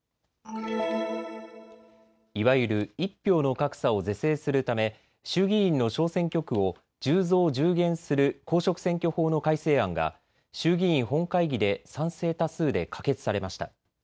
いわゆる１票の格差を是正するため衆議院の小選挙区を１０増１０減する公職選挙法の改正案が衆議院本会議で賛成多数で可決されました。